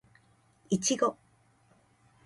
いちご